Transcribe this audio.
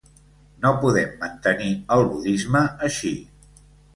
No podem mantenir el budisme així.